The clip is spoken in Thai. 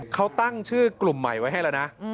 เขาตั้งชื่อกลุ่มใหม่ไว้ให้แล้วนะ